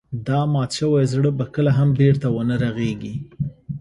دا مات شوی زړه به کله هم بېرته ونه رغيږي.